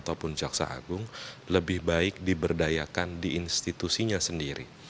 ataupun jaksa agung lebih baik diberdayakan di institusinya sendiri